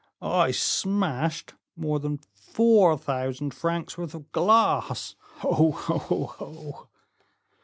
"I smashed more than four thousand francs worth of glass! ho, ho, ho!"